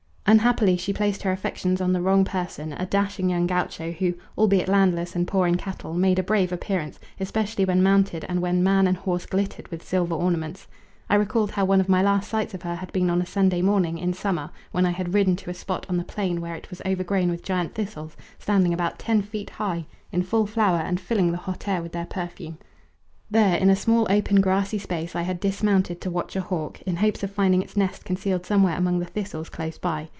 Unhappily she placed her affections on the wrong person, a dashing young gaucho who, albeit landless and poor in cattle, made a brave appearance, especially when mounted and when man and horse glittered with silver ornaments. I recalled how one of my last sights of her had been on a Sunday morning in summer when I had ridden to a spot on the plain where it was overgrown with giant thistles, standing about ten feet high, in full flower and filling the hot air with their perfume. There, in a small open grassy space I had dismounted to watch a hawk, in hopes of finding its nest concealed somewhere among the thistles close by.